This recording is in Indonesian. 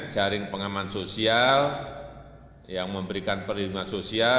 jaring pengaman sosial yang memberikan perlindungan sosial